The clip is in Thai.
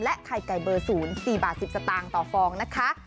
ไข่ไก่เบอร์๐๔บาท๑๐สตางค์ต่อฟองนะคะ